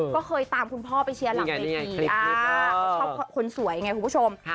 ก็เคยตามคุณพ่อไปเชียร์หลังเวทีเขาชอบคนสวยไงคุณผู้ชม